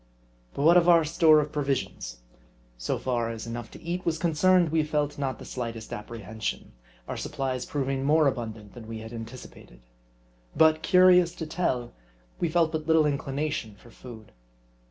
But what of our store of provisions ? So far as enough to eat was concerned, we felt not the slightest apprehension ; our supplies proving more abundant than we had anticipated. But, curious to tell, we felt but little inclination for food.